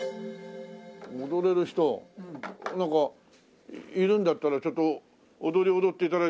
踊れる人なんかいるんだったらちょっと踊りを踊って頂いて。